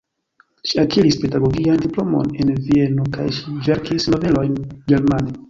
Ŝi akiris pedagogian diplomon en Vieno kaj ŝi verkis novelojn germane.